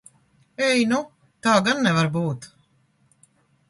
Ej nu! Tā gan nevar būt!